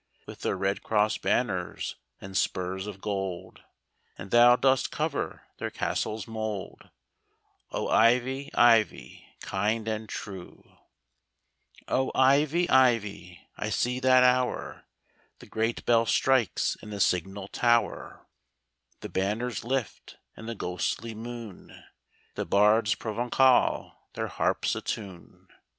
With their red cross banners and spurs of gold, And thou dost cover their castle's mould, O, Ivy, Ivy, kind and true ! O, Ivy, Ivy — I see that hour. The great bell strikes in the signal tower, The banners lift in the ghostly moon. The bards Proven9al their harps attune.